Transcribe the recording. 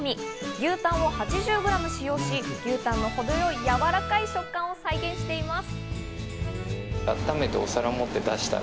牛たんを８０ｇ使用し、牛たんの程よいやわらかい食感を再現しています。